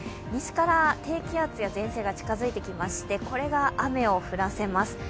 西から低気圧や前線が近づいてきまして、これが雨を降らせます。